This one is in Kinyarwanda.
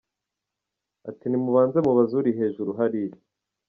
Ati nimubanze mubaze uri hejuru hariya.